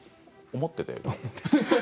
思っていたより？